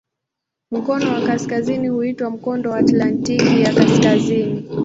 Mkono wa kaskazini huitwa "Mkondo wa Atlantiki ya Kaskazini".